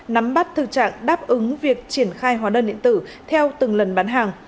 nắm bắt thực trạng đáp ứng việc triển khai hóa đơn điện tử theo từng lần bán hàng